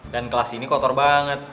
dan kelas ini kotor banget